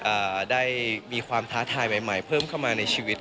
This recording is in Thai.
อ่าได้มีความท้าทายใหม่ใหม่เพิ่มเข้ามาในชีวิต